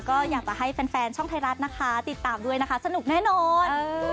ก็อยากจะให้แฟนช่องไทยรัฐนะคะติดตามด้วยนะคะสนุกแน่นอน